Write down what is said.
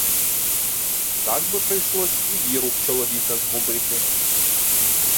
Так би прийшлось і віру в чоловіка згубити!